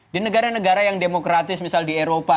di negara negara yang demokratis misal di eropa